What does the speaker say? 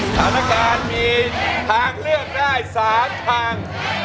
ธนาคารมีทางเลือกได้๓ทาง